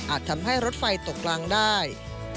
ทำให้รถไฟตกกลางได้